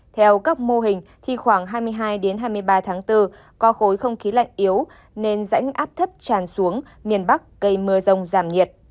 theo các mô hình thì khoảng hai mươi hai hai mươi ba tháng bốn có khối không khí lạnh yếu nên rãnh áp thấp tràn xuống miền bắc gây mưa rông giảm nhiệt